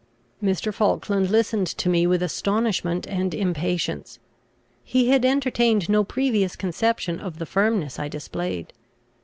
Mr. Falkland listened to me with astonishment and impatience. He had entertained no previous conception of the firmness I displayed.